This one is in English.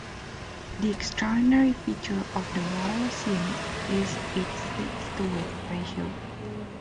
The extraordinary feature of the weld seam is its high depth-to-width ratio.